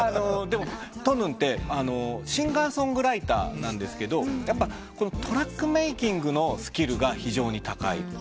でもｔｏｎｕｎってシンガー・ソングライターなんですけどトラックメーキングのスキルが非常に高い。